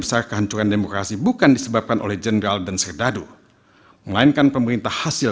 besar kehancuran demokrasi bukan disebabkan oleh jenderal dan serdadu melainkan pemerintah hasil